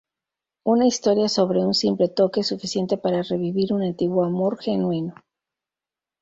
Una historia sobre un simple toque, suficiente para revivir un antiguo amor genuino.